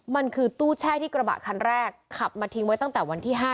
มันคือตู้แช่ที่กระบะคันแรกขับมาทิ้งไว้ตั้งแต่วันที่๕